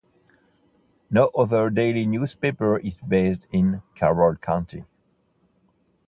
No other daily newspaper is based in Carroll County.